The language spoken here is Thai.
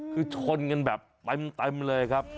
คือชนกันแบบเต็มเลยครับ